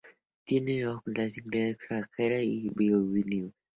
Tiene nueve facultades, incluida una extranjera en Vilnius.